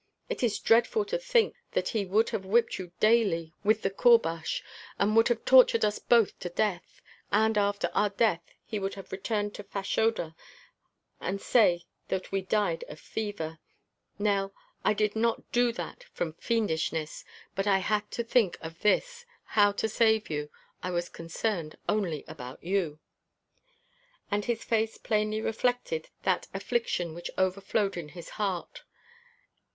It is dreadful to think that he would have whipped you daily with the courbash, and would have tortured us both to death, and after our death he would return to Fashoda and say that we died of fever. Nell, I did not do that from fiendishness, but I had to think of this, how to save you I was concerned only about you " And his face plainly reflected that affliction which overflowed in his heart.